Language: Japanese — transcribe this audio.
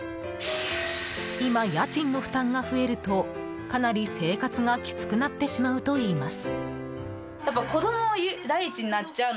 今、家賃の負担が増えるとかなり生活がきつくなってしまうといいます。